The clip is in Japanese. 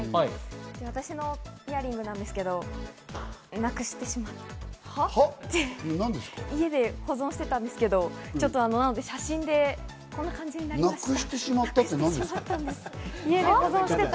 私のイヤリングですけれども、なくしてしまって、家で保存してたんですけど、なので写真でこんな感じになりました。